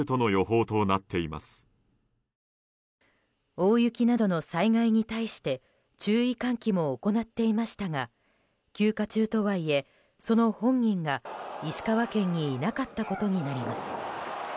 大雪などの災害に対して注意喚起も行っていましたが休暇中とはいえその本人が石川県にいなかったことになります。